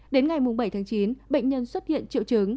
đến ngày bảy tháng chín bệnh nhân xuất hiện triệu chứng